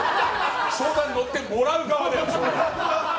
相談に乗ってもらう側だね。